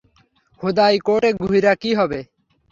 হুদাই কোর্টে ঘুইরা কি হইবো।